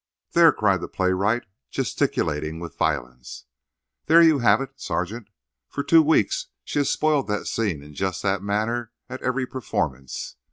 "There!" cried the playwright, gesticulating with violence; "there you have it, sergeant. For two weeks she has spoiled that scene in just that manner at every performance.